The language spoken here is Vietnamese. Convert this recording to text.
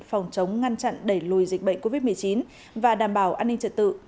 phòng chống ngăn chặn đẩy lùi dịch bệnh covid một mươi chín và đảm bảo an ninh trật tự